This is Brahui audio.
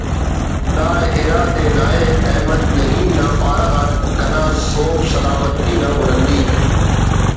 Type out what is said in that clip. دا اِرا دے نا ءِ احمد نعیم نا پارہ غان کنا سُہب سلامتی نا ورندیک